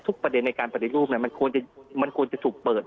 ประเด็นในการปฏิรูปมันควรจะถูกเปิด